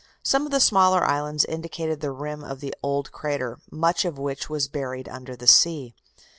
Some of the smaller islands indicated the rim of the old crater, much of which was buried under the sea.